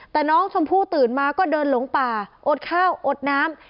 แต่น้องชมพู่ตื่นมาก็เดินหลงป่าอดข้าวอดน้ำ